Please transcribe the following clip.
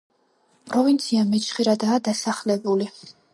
პროვინცია მეჩხერადაა დასახლებული.